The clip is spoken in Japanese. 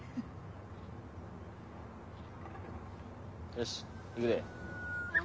よし行くで。